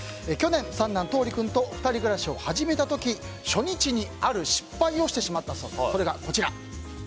去年、三男・橙利君と２人暮らしを始めた時初日に、ある失敗をしてしまったそうです。